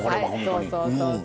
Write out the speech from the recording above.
そうそうそうそう。